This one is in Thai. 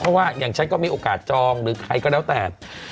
เพราะว่าอย่างฉันก็มีโอกาสจองหรือใครก็แล้วแต่